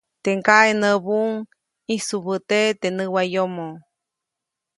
Teʼ ŋgaʼe näbuʼuŋ -ʼĩsubäteʼe teʼ näwayomo-.